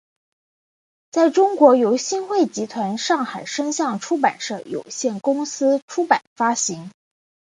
在中国由新汇集团上海声像出版社有限公司出版发行。